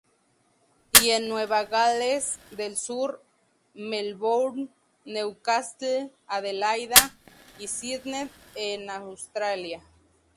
Y en Nueva Gales del Sur, Melbourne, Newcastle, Adelaida y Sydney en Australia.